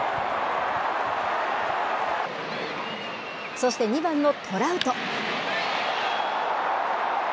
そして２番のトラウト。